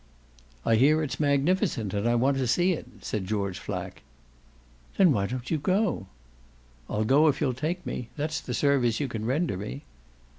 "I hear it's magnificent and I want to see it," said George Flack. "Then why don't you go?" "I'll go if you'll take me; that's the service you can render me."